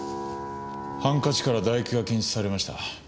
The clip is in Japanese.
ハンカチから唾液が検出されました。